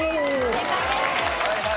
正解です。